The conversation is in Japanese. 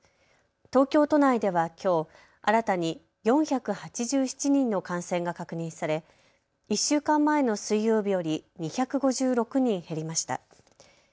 東京都内ではきょう新たに４８７人の感染が確認され１週間前の水曜日より２５６人減りました。